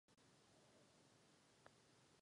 Syn dostal jméno David Lee.